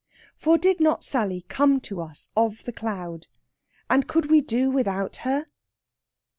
For did not Sally come to us out of the cloud, and could we do without her?"